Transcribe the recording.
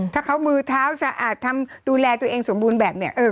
ถ้าเขามือเท้าสะอาดทำดูแลตัวเองสมบูรณ์แบบเนี่ย